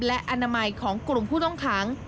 และอนามัยของกลุ่มผู้ต้องขัง